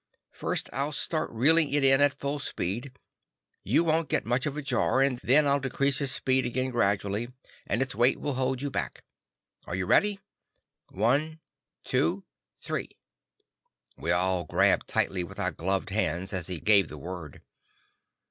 "First I'll start reeling it in at full speed. You won't get much of a jar, and then I'll decrease its speed again gradually, and its weight will hold you back. Are you ready? One two three!" We all grabbed tightly with our gloved hands as he gave the word.